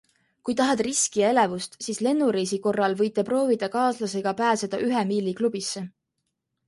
Kui tahad riski ja elevust, siis lennureisi korral võite proovida kaaslasega pääseda ühe miili klubisse.